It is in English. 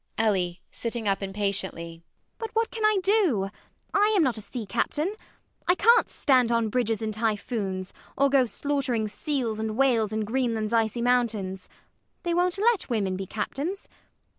ELLIE [sitting up impatiently]. But what can I do? I am not a sea captain: I can't stand on bridges in typhoons, or go slaughtering seals and whales in Greenland's icy mountains. They won't let women be captains.